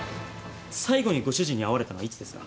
最後にご主人に会われたのはいつですか？